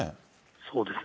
そうですね。